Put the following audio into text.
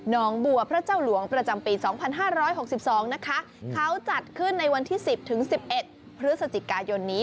น้องบัวพระเจ้าหลวงประจำปี๒๕๖๒นะคะเขาจัดขึ้นในวันที่๑๐ถึง๑๑พฤศจิกายนนี้